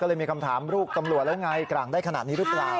ก็เลยมีคำถามลูกตำรวจแล้วไงกลางได้ขนาดนี้หรือเปล่า